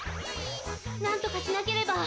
なんとかしなければ！